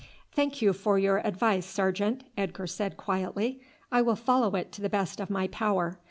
"Thank you for your advice, sergeant," Edgar said quietly. "I will follow it to the best of my power.